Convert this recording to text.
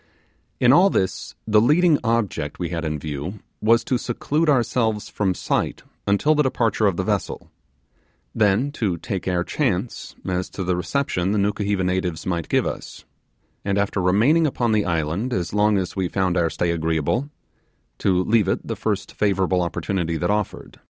In all this the leading object we had in view was to seclude ourselves from sight until the departure of the vessel; then to take our chance as to the reception the Nukuheva natives might give us; and after remaining upon the island as long as we found our stay agreeable, to leave it the first favourable opportunity that offered.